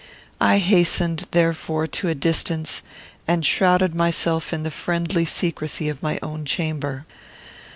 I hastened, therefore, to a distance, and shrouded myself in the friendly secrecy of my own chamber.